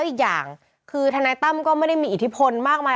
อีกอย่างคือทนายตั้มก็ไม่ได้มีอิทธิพลมากมาย